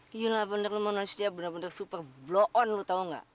gila bener lu mau nulis dia bener bener super blow on lu tau ga